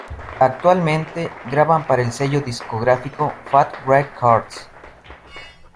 Actualmente, graban para el sello discográfico Fat Wreck Chords.